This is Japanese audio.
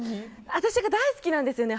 私が大好きなんですよね。